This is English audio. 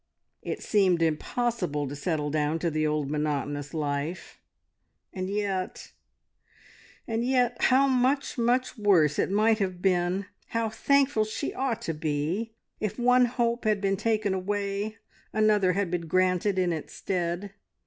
It seemed impossible to settle down to the old monotonous life, and yet and yet how much, much worse it might have been! How thankful she ought to be! If one hope had been taken away, another had been granted in its stead.